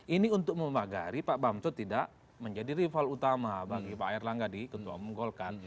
ini untuk membagari pak bamsot tidak menjadi rival utama bagi pak erlanggadi ketua menggolkar